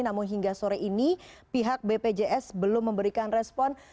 namun hingga sore ini pihak bpjs belum memberikan respon